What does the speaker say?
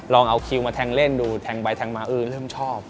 เอาคิวมาแทงเล่นดูแทงไปแทงมาเออเริ่มชอบ